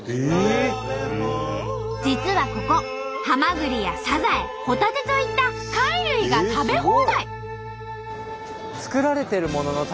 実はここハマグリやサザエホタテといった貝類が食べ放題。